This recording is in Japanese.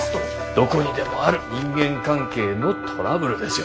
どこにでもある人間関係のトラブルですよ。